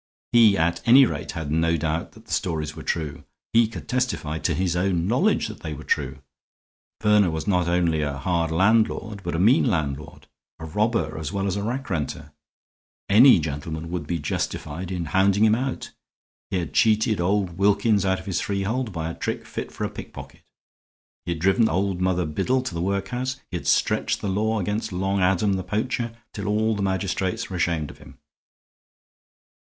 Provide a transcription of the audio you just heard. He, at any rate, had no doubt that the stories were true; he could testify, to his own knowledge, that they were true. Verner was not only a hard landlord, but a mean landlord, a robber as well as a rackrenter; any gentleman would be justified in hounding him out. He had cheated old Wilkins out of his freehold by a trick fit for a pickpocket; he had driven old Mother Biddle to the workhouse; he had stretched the law against Long Adam, the poacher, till all the magistrates were ashamed of him.